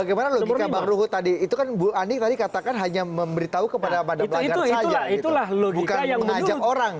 bagaimana logika pak luhut tadi itu kan bu andi tadi katakan hanya memberitahu kepada madam lagarde saja